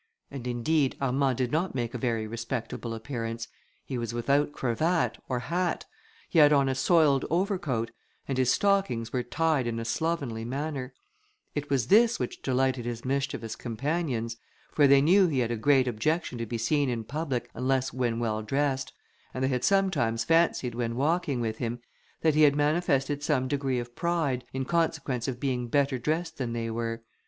and, indeed, Armand did not make a very respectable appearance; he was without cravat, or hat; he had on a soiled over coat, and his stockings were tied in a slovenly manner; it was this which delighted his mischievous companions, for they knew he had a great objection to be seen in public, unless when well dressed, and they had sometimes fancied, when walking with him, that he had manifested some degree of pride, in consequence of being better dressed than they were.